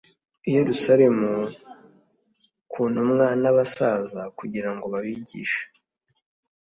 i yerusalemu ku ntumwa n abasaza kugira ngo babagishe